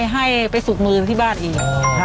ให้ไปฝึกมือที่บ้านอีก